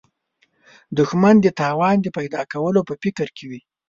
دښمن د تاوان د پیدا کولو په فکر کې وي